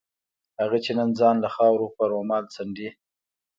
هغه چې نن ځان له خاورو په رومال څنډي.